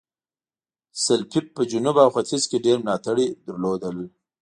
سلپيپ په جنوب او ختیځ کې ډېر ملاتړي لرل.